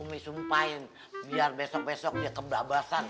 umi sumpahin biar besok besok dia kebablasan